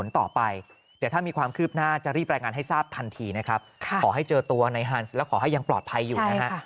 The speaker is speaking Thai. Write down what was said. ทันทีขอให้เจอตัวนายฮันซ์และขอให้ยังปลอดภัยอยู่